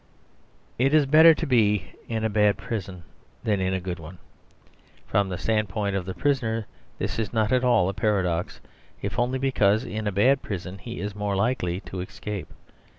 It is better to be in a bad prison than in a good one. From the standpoint of the prisoner this is not at all a paradox; if only because in a bad prison he is more likely to escape.